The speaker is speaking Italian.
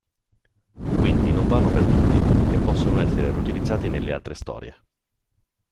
Quindi non vanno perduti e possono essere riutilizzati nelle altre storie.